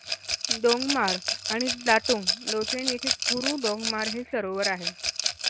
दोंगमार आणि लातुंग लाचेन येथे गुरू दोंगमार हे सरोवर आहे.